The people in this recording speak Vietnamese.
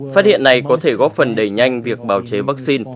phát hiện này có thể góp phần đầy nhanh việc bảo chế vaccine